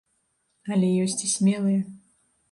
Але ёсць і смелыя.